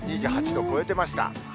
２８度超えてました。